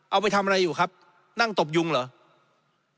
เอาไปทำอะไรอยู่ครับนั่งตบยุงเหรอ